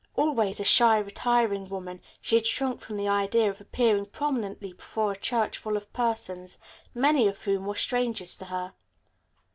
Always a shy, retiring woman, she had shrunk from the idea of appearing prominently before a church full of persons, many of whom were strangers to her.